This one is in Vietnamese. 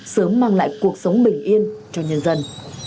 sớm mang lại cuộc sống bình yên cho nhân dân